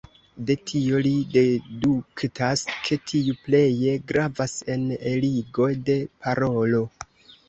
De tio li deduktas ke tiu pleje gravas en eligo de parolo.